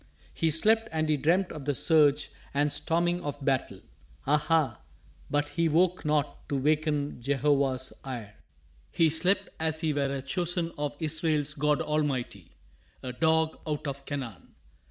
He slept and he dreamt of the surge and storming of battle. Ah ha! but he woke not to waken Jehovah's ire. He slept as he were a chosen of Israel's God Almighty. A dog out of Canaan!